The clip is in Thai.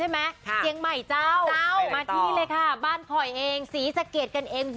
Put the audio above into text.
แม่ฮันนี่สรีอีสาน